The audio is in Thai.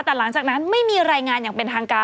แต่หลังจากนั้นไม่มีรายงานอย่างเป็นทางการ